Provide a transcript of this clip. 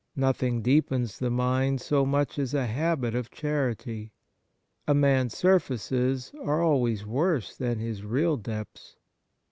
Nothing deepens the mind so much as a habit of charity. A man's surfaces are always worse than his real depths.